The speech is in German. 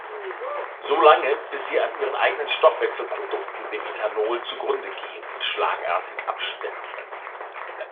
Solange bis sie an ihren eigenen Stoffwechselprodukten, dem Ethanol, zugrunde gehen und schlagartig absterben.